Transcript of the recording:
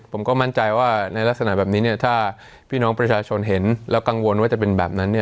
ผมก็มั่นใจว่าในลักษณะแบบนี้ถ้าพี่น้องประชาชนเห็นแล้วกังวลว่าจะเป็นแบบนั้น